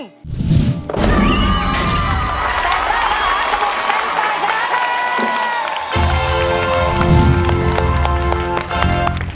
แสบฝ้ามหาสมุดเต้นไสชนะแทน